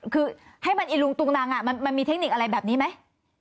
คือให้มันอิลุงตุงนังมันมีเทคนิคอะไรแบบนี้ไหม